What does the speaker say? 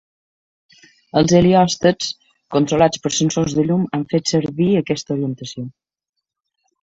Els heliòstats controlats per sensors de llum han fet servir aquesta orientació.